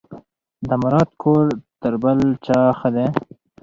د مراد کور تر بل چا ښه دی.